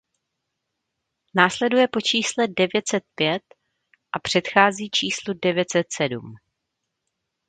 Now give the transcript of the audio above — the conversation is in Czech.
Následuje po čísle devět set pět a předchází číslu devět set sedm.